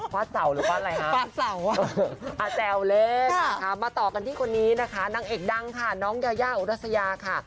ฟาดเศร้าหรือฟาดอะไรคะมาต่อกันที่คนนี้นะคะนางเอกดังค่ะน้องยาอุรัสยาค่ะ